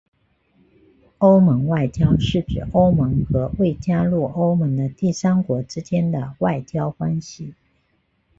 欧盟外交是指欧盟和未加入欧盟的第三国之间的外交关系。